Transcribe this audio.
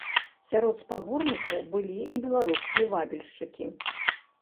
Сярод спаборнікаў былі і беларускія вабільшчыкі.